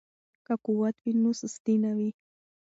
که قوت وي نو سستي نه وي.